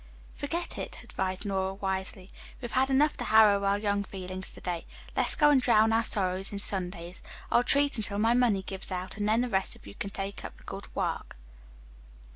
"Forget it," advised Nora wisely. "We've had enough to harrow our young feelings to day. Let's go and drown our sorrows in sundaes. I'll treat until my money gives out, and then the rest of you can take up the good work."